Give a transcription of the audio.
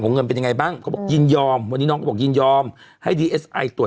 ขอบคุณนะครับขอบคุณนะครับขอบคุณนะครับ